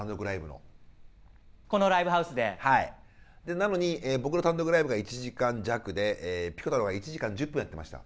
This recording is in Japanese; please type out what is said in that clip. なのに僕の単独ライブが１時間弱でピコ太郎が１時間１０分やってました。